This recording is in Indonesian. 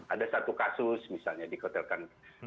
ada satu kasus misalnya di kotel kandung